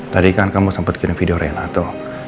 tadi kan kamu sempat kirim video rena tuh